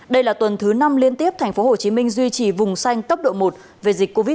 đây là tuần thứ năm liên tiếp tp hcm duy trì vùng xanh tốc độ một về dịch covid một mươi chín